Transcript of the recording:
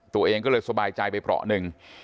ตัวเองก็เลยสบายใจไปเปราะหนึ่ง